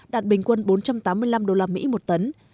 đạt bình quân bốn trăm tám mươi năm usd một tấn